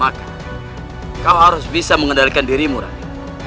maka kau harus bisa mengendalikan dirimu rani